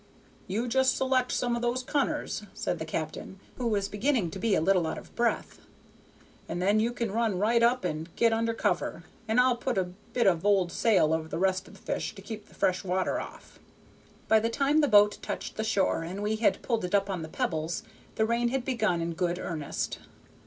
"You just select some of those cunners," said the captain, who was beginning to be a little out of breath, "and then you can run right up and get under cover, and I'll put a bit of old sail over the rest of the fish to keep the fresh water off." By the time the boat touched the shore and we had pulled it up on the pebbles, the rain had begun in good earnest.